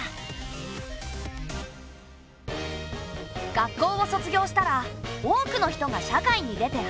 学校を卒業したら多くの人が社会に出て働く。